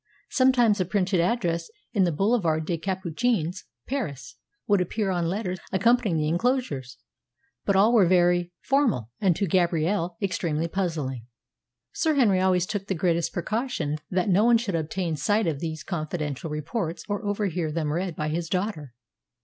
Sometimes a printed address in the Boulevard des Capucines, Paris, would appear on letters accompanying the enclosures. But all were very formal, and to Gabrielle extremely puzzling. Sir Henry always took the greatest precaution that no one should obtain sight of these confidential reports or overhear them read by his daughter.